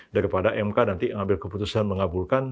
daripada mk nanti ngambil keputusan mengabulkan